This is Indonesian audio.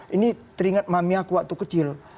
ini teringat mami aku waktu kecil